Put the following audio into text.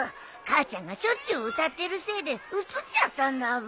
母ちゃんがしょっちゅう歌ってるせいでうつっちゃったんだブー。